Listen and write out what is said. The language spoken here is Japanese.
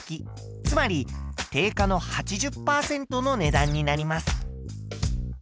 つまり定価の８０％の値段になります。